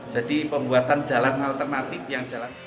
jadi pembuatan jalan alternatif yang jalan